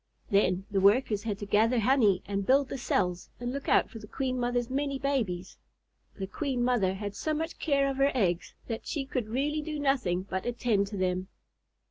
Then the Workers had to gather honey and build the cells and look out for the Queen Mother's many babies. The Queen Mother had so much care of her eggs that she could really do nothing but attend to them.